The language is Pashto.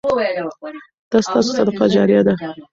دا ستاسو صدقه جاریه ده.